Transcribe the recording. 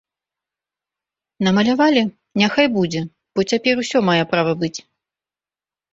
Намалявалі, няхай будзе, бо цяпер усё мае права быць.